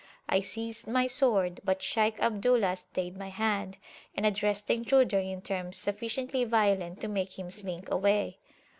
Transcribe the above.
I seized my sword; but Shaykh Abdullah stayed my hand, and addressed the intruder in terms sufficiently violent to make him slink away.